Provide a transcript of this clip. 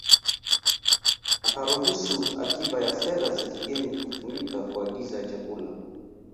Akaruhusu akiba ya fedha za kigeni kutumika kuagiza chakula